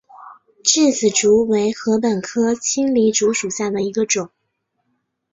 稚子竹为禾本科青篱竹属下的一个种。